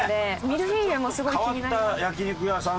ミルフィーユもすごい気になります。